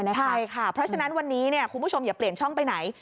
ใช่ค่ะเพราะฉะนั้นวันนี้คุณผู้ชมอย่าเปลี่ยนช่องไปไหน